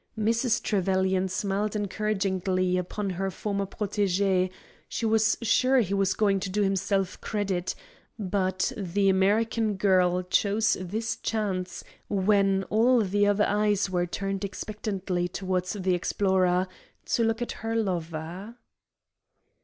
Mrs. Trevelyan smiled encouragingly upon her former protégé; she was sure he was going to do himself credit; but the American girl chose this chance, when all the other eyes were turned expectantly towards the explorer, to look at her lover.